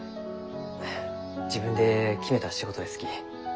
自分で決めた仕事ですき。